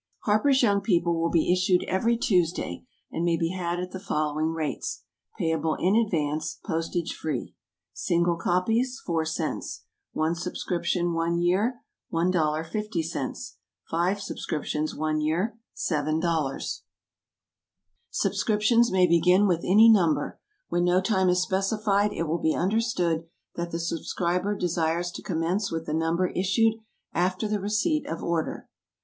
HARPER'S YOUNG PEOPLE. HARPER'S YOUNG PEOPLE will be issued every Tuesday, and may be had at the following rates payable in advance, postage free: SINGLE COPIES $0.04 ONE SUBSCRIPTION, one year 1.50 FIVE SUBSCRIPTIONS, one year 7.00 Subscriptions may begin with any Number. When no time is specified, it will be understood that the subscriber desires to commence with the Number issued after the receipt of order.